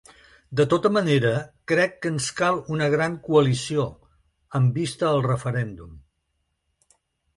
De tota manera, crec que ens cal una gran coalició, amb vista al referèndum.